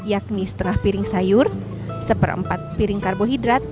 yakni setengah piring sayur seperempat piring karbohidrat